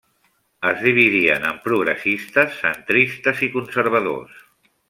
Es dividien en progressistes, centristes i conservadors.